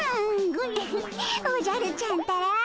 ウフッおじゃるちゃんったら。